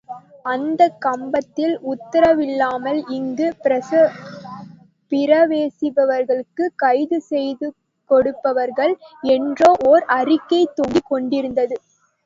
அந்தக் கம்பத்தில், உத்தரவில்லாமல் இங்கு பிரவேசிப்பவர்கள் கைதுசெய்யப்படுவார்கள் என்ற ஓர் அறிக்கை தொங்கிக் கொண்டிருந்தது.